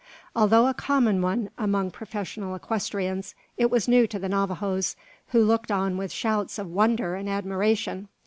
Although a common one among professional equestrians, it was new to the Navajoes, who looked on with shouts of wonder and admiration.